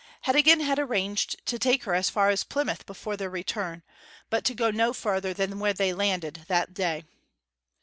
Heddegan had arranged to take her as far as Plymouth before their return, but to go no further than where they had landed that day.